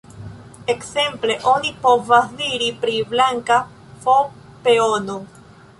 Ekzemple, oni povas diri pri "blanka f-peono".